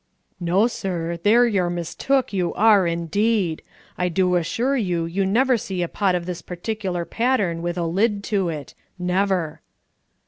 "No, sir, there you're mistook, you are, indeed. I do assure you you never see a pot of this partickler pattern with a lid to it. Never!"